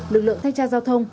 lực lượng thanh tra giao thông